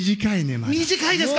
短いですか。